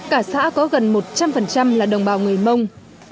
cả xã có gần một trăm linh là đồng bào người mông